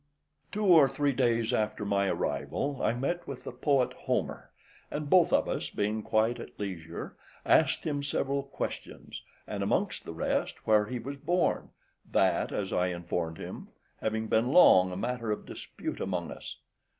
Two or three days after my arrival I met with the poet Homer, and both of us being quite at leisure, asked him several questions, and amongst the rest where he was born, that, as I informed him, having been long a matter of dispute amongst us.